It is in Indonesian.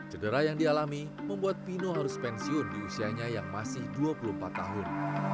cedera yang dialami membuat pino harus pensiun di usianya yang masih dua puluh empat tahun